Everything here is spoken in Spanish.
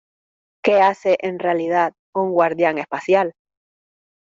¿ Qué hace en realidad un guardián espacial?